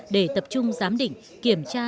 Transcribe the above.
để tập trung giám định kiểm tra